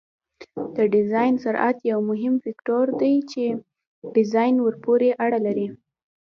د ډیزاین سرعت یو مهم فکتور دی چې ډیزاین ورپورې اړه لري